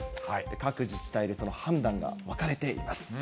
各自治体でその判断が分かれています。